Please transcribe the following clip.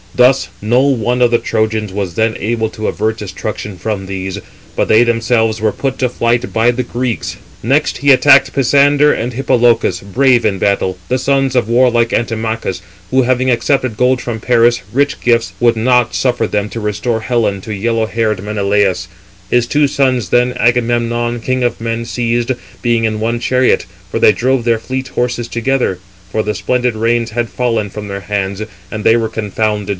Thus no one of the Trojans was then able to avert destruction from these, but they themselves were put to flight by the Greeks. Next [he attacked] Pisander and Hippolochus, brave in battle, the sons of warlike Antimachus, who having accepted gold from Paris, rich gifts, would not suffer them to restore Helen to yellow haired Menelaus. His two sons, then, Agamemnon, king of men, seized, being in one chariot, for they drove their fleet horses together; for the splendid reins had fallen from their hands, and they were confounded.